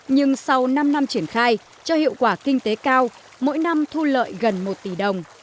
nhưng sau năm năm triển khai cho hiệu quả kinh tế cao mỗi năm thu lợi gần một tỷ đồng